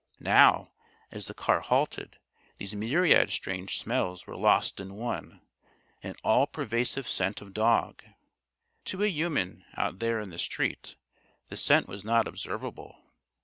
Now, as the car halted, these myriad strange smells were lost in one an all pervasive scent of dog. To a human, out there in the street, the scent was not observable.